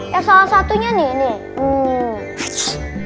ya salah satunya nih